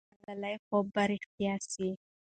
د ملالۍ خوب به رښتیا سي.